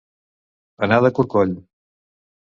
Anar de corcoll.